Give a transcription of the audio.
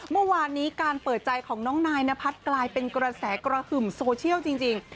เมื่อวานนี้การเปิดใจของน้องนายนพัฒน์กลายเป็นกระแสกระหึ่มโซเชียลจริง